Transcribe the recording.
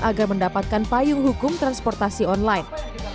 agar mendapatkan payung hukum transportasi online